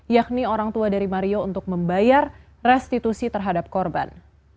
yakni orang tua dari mario untuk membayar restitusi terhadap korban